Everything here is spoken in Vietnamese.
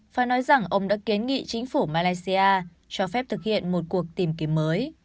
phải nói rằng ông đã kiến nghị chính phủ malaysia cho phép thực hiện một cuộc tìm kiếm mới